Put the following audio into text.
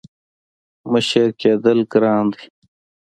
• مشر کېدل ګران دي.